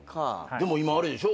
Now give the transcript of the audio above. でも今あれでしょ。